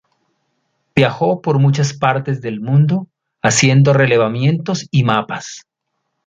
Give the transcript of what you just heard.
Viajó por muchas zonas del mundo, haciendo relevamientos y mapas.